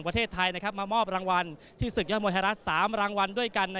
ผลิตภารกิจตมดูห่ะ